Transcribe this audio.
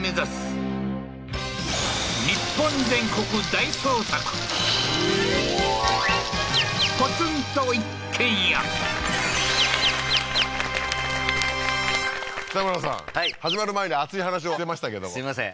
初めて今夜も北村さん始まる前に熱い話をしてましたけどもすいません